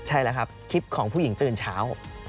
ใช่แล้วครับคลิปของผู้หญิงตื่นเช้า